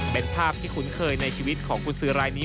เป็นภาพที่คุ้นเคยในชีวิตของกุญสือรายนี้